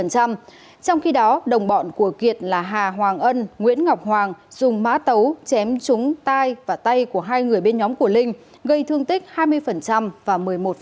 trong khi đó đồng bọn của kiệt là hà hoàng ân nguyễn ngọc hoàng dùng mã tấu chém trúng tay và tay của hai người bên nhóm của linh gây thương tích hai mươi và một mươi một